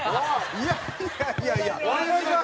いやいやいやいや。